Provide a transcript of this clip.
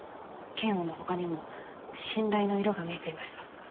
「嫌悪」の他にも「信頼」の色が見えていました。